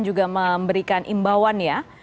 juga memberikan imbauan ya